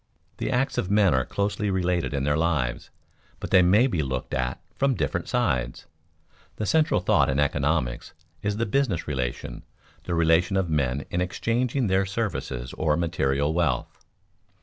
The acts of men are closely related in their lives, but they may be looked at from different sides. The central thought in economics is the business relation, the relation of men in exchanging their services or material wealth.